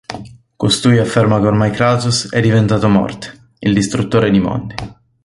Costui afferma che ormai Kratos è diventato Morte, il distruttore di mondi.